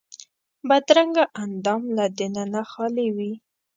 بدرنګه اندام له دننه خالي وي